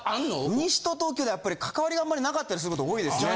西と東京ではやっぱり関わりがあんまりなかったりすることが多いですね。